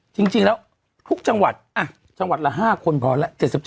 จริงจริงแล้วทุกจังหวัดอ่ะจังหวัดละห้าคนพอแล้ว